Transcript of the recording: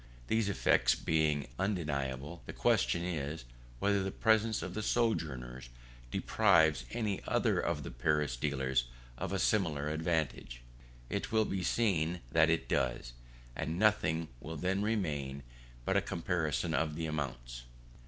These effects being undeniable, the question is, whether the presence of the sojourners deprives any others of the Paris dealers of a similar advantage. It will be seen that it does; and nothing will then remain but a comparison of the amounts.